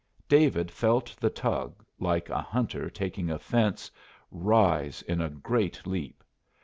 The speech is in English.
David felt the tug, like a hunter taking a fence, rise in a great leap.